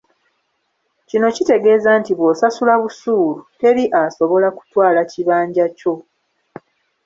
Kino kitegeeza nti bw'osasula busuulu, teri asobobola kutwala kibanja kyo.